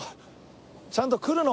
ちゃんと来るの？